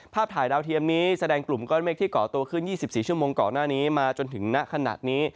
ถ่ายดาวเทียมนี้แสดงกลุ่มก้อนเมฆที่เกาะตัวขึ้น๒๔ชั่วโมงก่อนหน้านี้มาจนถึงณขณะนี้